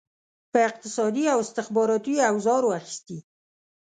په اقتصادي او استخباراتي اوزارو اخیستي.